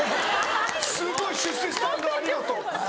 すごい出世したんだありがとう」。